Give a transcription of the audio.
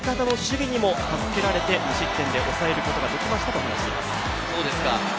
味方の守備にも助けられて無失点で抑えることができましたと話しています。